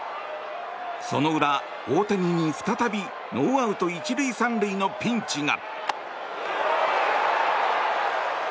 その裏、大谷に再びノーアウト１塁３塁のピンチが。